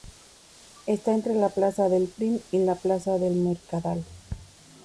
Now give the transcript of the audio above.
Está entre la plaza del Prim y la plaza del Mercadal.